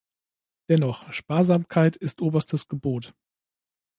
Dennoch, Sparsamkeit ist oberstes Gebot.